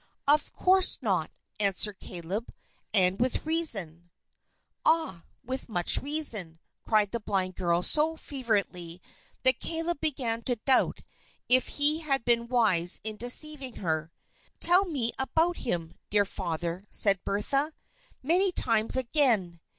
"Of course not!" answered Caleb. "And with reason." "Ah, with much reason!" cried the blind girl so fervently that Caleb began to doubt if he had been wise in deceiving her. "Tell me about him, dear father," said Bertha. "Many times again!